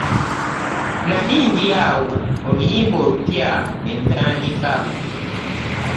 Nali ndi awo oluyimba olupya n'elutandika .